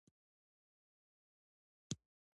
پکتیکا د افغانستان د چاپیریال د مدیریت لپاره مهم دي.